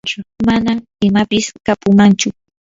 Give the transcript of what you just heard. manam imapis kapumanchu.